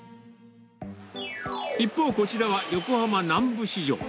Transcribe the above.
一方、こちらは横浜南部市場。